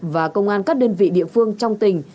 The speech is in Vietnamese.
và công an các đơn vị địa phương trong tỉnh